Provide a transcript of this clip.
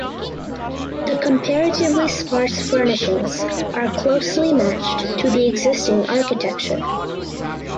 The comparatively sparse furnishings are closely matched to the existing architecture.